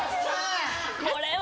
これは。